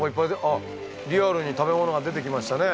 あっリアルに食べ物が出てきましたね。